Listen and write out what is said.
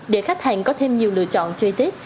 để khách hàng có thêm nhiều lựa chọn chơi tết